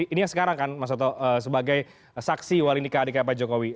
ini yang sekarang kan mas soto sebagai saksi walinika adhika pak jokowi